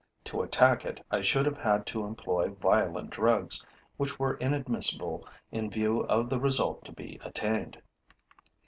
To attack it, I should have had to employ violent drugs, which were inadmissible in view of the result to be attained.